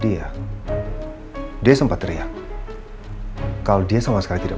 yang bersalah justru aldebaran dan juga roy